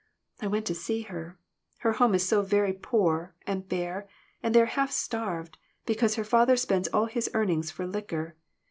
I went to see her. Her home is so very poor and bare, and they are half starved, because her father spends all his earnings for liquor.